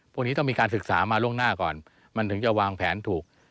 พวกนี้ต้องมีการศึกษามาล่วงหน้าก่อนมันถึงจะวางแผนถูก